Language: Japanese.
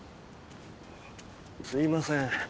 すいません。